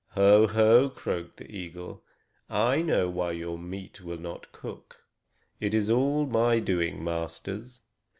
"Ho ho!" croaked the eagle. "I know why your meat will not cook. It is all my doing, masters."